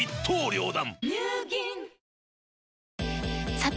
さて！